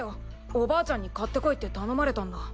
おばあちゃんに買ってこいって頼まれたんだ。